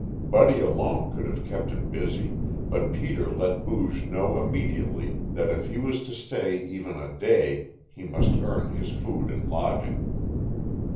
Buddy alone could have kept him busy, but Peter let Booge know immediately that if he was to stay even a day he must earn his food and lodging.